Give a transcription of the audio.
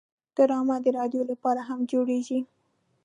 ډرامه د رادیو لپاره هم جوړیږي